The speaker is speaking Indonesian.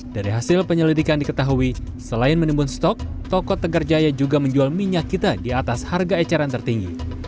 dari hasil penyelidikan diketahui selain menimbun stok toko tegar jaya juga menjual minyak kita di atas harga eceran tertinggi